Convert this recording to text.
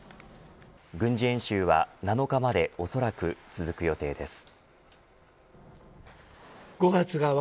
軍事演習は７日までおそらく続く予定です。